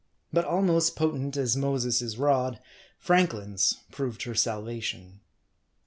But almost potent as Moses' rod, ^Franklin's proved her salva tion.